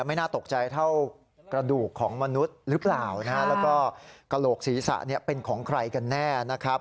ไม่น่าตกใจเท่ากระดูกของมนุษย์หรือเปล่าและกระโหลกศีรษะเป็นของใครกันแน่